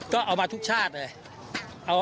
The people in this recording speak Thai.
ก็เอามาทุกชาติเลย